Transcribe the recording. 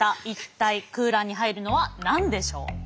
一体空欄に入るのは何でしょう。